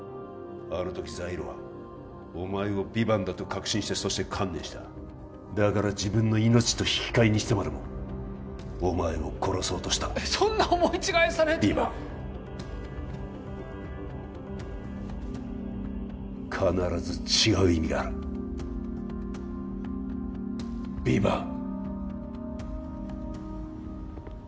あの時ザイールはお前をヴィヴァンだと確信してそして観念しただから自分の命と引き換えにしてまでもお前を殺そうとしたえっそんな思い違いされてもヴィヴァン必ず違う意味があるヴィヴァン